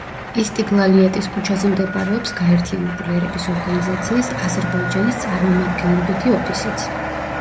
ისტიგლალიატის ქუჩაზე მდებარეობს გაერთიანებული ერების ორგანიზაციის აზერბაიჯანის წარმომადგენლობითი ოფისიც.